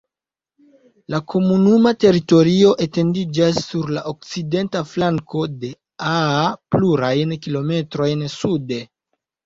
La komunuma teritorio etendiĝas sur la okcidenta flanko de Aa plurajn kilometrojn sude.